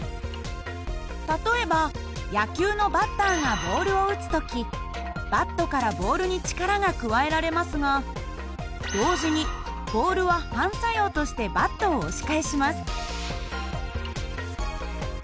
例えば野球のバッターがボールを打つ時バットからボールに力が加えられますが同時にボールは反作用としてバットを押し返します。